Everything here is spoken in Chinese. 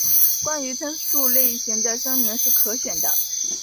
关于参数类型的声明是可选的。